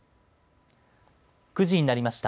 ９時になりました。